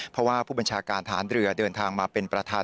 เพราะว่าผู้บัญชาการฐานเรือเดินทางมาเป็นประธาน